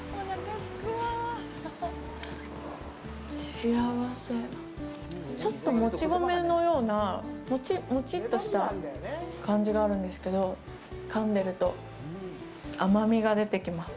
幸せちょっともち米のようなもちっとした感じがあるんですけどかんでると甘みが出てきます